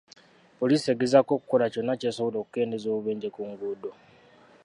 Poliisi egezaako okukola kyonna ky'esobola okukendeeza obubenje ku nguudo.